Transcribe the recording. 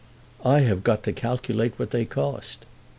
"I have got to calculate what they cost."